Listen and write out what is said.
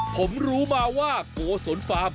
ผมรู้มาว่าโกศลฟาร์ม